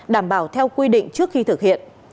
đảm bảo theo quy định trước khi thực hiện